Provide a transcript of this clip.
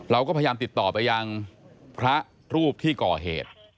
เราก็พยายามติดต่อไปยังพระรูปที่ก่อเหตุ